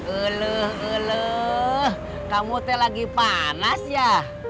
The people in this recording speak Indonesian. eluh eluh kamu teh lagi panas ya